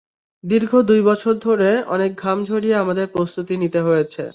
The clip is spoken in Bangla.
দীর্ঘ দুই বছর ধরে অনেক ঘাম ঝরিয়ে আমাদের প্রস্তুতি নিতে হয়েছে।